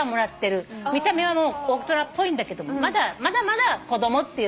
見た目は大人っぽいんだけどもまだまだ子供っていう時期なの。